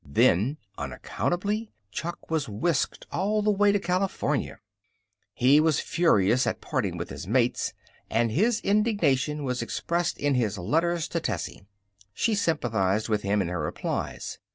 Then, unaccountably, Chuck was whisked all the way to California. He was furious at parting with his mates, and his indignation was expressed in his letters to Tessie. She sympathized with him in her replies.